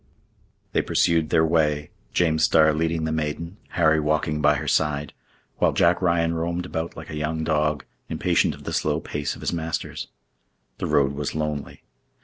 They pursued their way, James Starr leading the maiden, Harry walking by her side, while Jack Ryan roamed about like a young dog, impatient of the slow pace of his masters. The road was lonely.